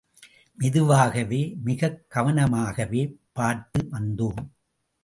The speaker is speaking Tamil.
மெதுவாகவே, மிகக் கவனமாகவே பார்த்து வந்தோம்.